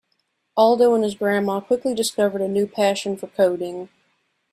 Aldo and his grandma quickly discovered a new passion for coding.